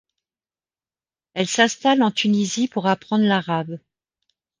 Elle s'installe en Tunisie pour apprendre l'arabe.